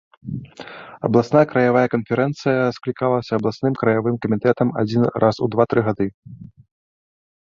Абласная, краявая канферэнцыя склікаліся абласным, краявым камітэтам адзін раз у два-тры гады.